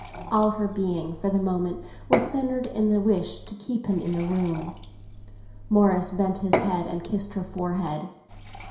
All her being, for the moment, centred in the wish to keep him in the room. Morris bent his head and kissed her forehead.